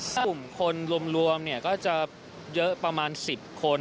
กลุ่มคนรวมเนี่ยก็จะเยอะประมาณสิบคน